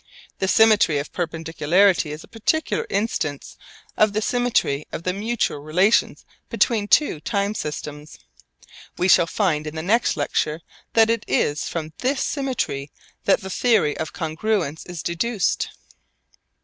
The symmetry of perpendicularity is a particular instance of the symmetry of the mutual relations between two time systems. We shall find in the next lecture that it is from this symmetry that the theory of congruence is deduced.